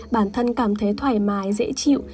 bản thân cảm thấy thoải mái dễ chịu